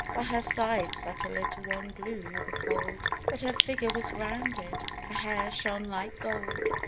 By her side sat a little one, blue with the cold, But her figure was rounded, her hair shone like gold.